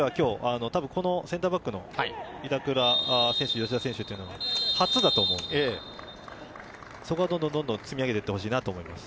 センターバックの板倉選手、吉田選手というのは初だと思うので、そこはどんどん積み上げていってほしいなと思います。